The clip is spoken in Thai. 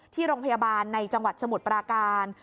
ที่โรงพยาบาลในจังหวัดสมุทรปราการ